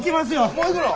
もう行くの？